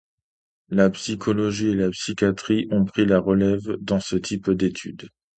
La psychologie et la psychiatrie ont pris la relève dans ce type d'études.